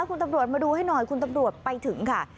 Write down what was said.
คุณตำรวจมาดูให้หน่อยคุณตำรวจไปถึงค่ะ